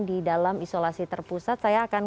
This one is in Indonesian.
di dalam isolasi terpusat saya akan